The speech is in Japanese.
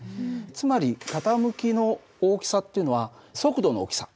つまり傾きの大きさっていうのは速度の大きさ。